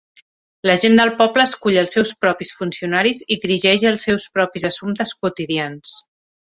La gent del poble escull els seus propis funcionaris i dirigeix els seus propis assumptes quotidians.